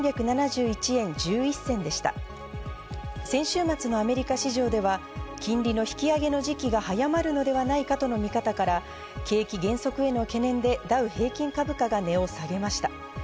先週末のアメリカ市場では金利が引き上げの時期が早まるのではないかとの見方から、景気減速への懸念でダウ平均株価が値を下げました。